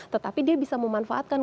tetapi dia bisa memanfaatkan